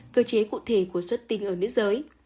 cơ chế cụ thể của xuất tinh ở nữ giới